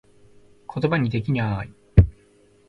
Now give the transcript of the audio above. ことばにできなぁい